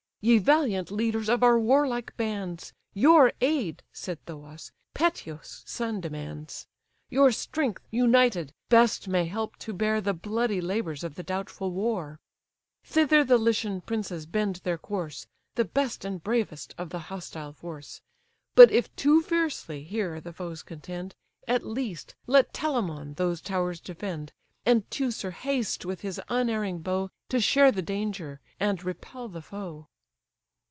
"Ye valiant leaders of our warlike bands! Your aid (said Thoos) Peteus' son demands; Your strength, united, best may help to bear The bloody labours of the doubtful war: Thither the Lycian princes bend their course, The best and bravest of the hostile force. But if too fiercely, here, the foes contend, At least, let Telamon those towers defend, And Teucer haste with his unerring bow To share the danger, and repel the foe."